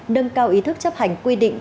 nâng cao ý thức chấp hành quy định